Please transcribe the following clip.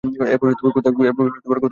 এরপর কোথায় খুঁজব?